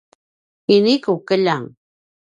ini ku keljang